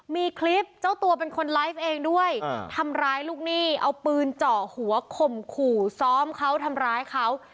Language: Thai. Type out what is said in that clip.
มีคลิปเจ้าตัวเป็นคนไลฟ์เองด้วยทำร้ายลูกหนี้เอาปืนเจาะหัวข่มขู่ซ้อมเขาทำร้ายเขา